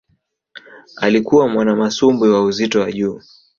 Alikuwa mwanamasumbwi wa uzito wa juu